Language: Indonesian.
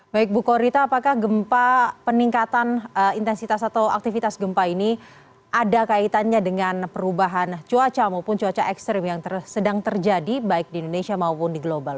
baik bu korita apakah gempa peningkatan intensitas atau aktivitas gempa ini ada kaitannya dengan perubahan cuaca maupun cuaca ekstrim yang sedang terjadi baik di indonesia maupun di global